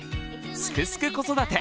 「すくすく子育て」